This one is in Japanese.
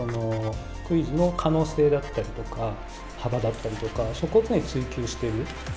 クイズの可能性だったりとか幅だったりとかそこを常に追求してる。